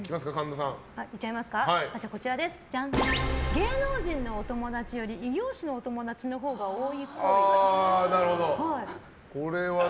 芸能人のお友達より異業種のお友達のほうが多いっぽい。